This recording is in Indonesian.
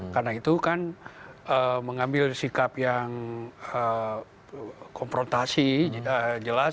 karena itu kan mengambil sikap yang konfrontasi jelas